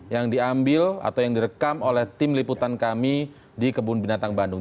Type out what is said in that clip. yang diambil atau yang direkam oleh tim liputan kami di kebun binatang bandung